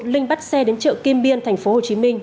linh bắt xe đến chợ kim biên thành phố hồ chí minh